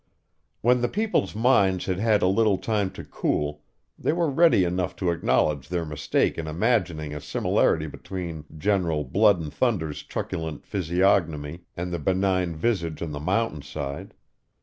When the people's minds had had a little time to cool, they were ready enough to acknowledge their mistake in imagining a similarity between General Blood and Thunder's truculent physiognomy and the benign visage on the mountain side.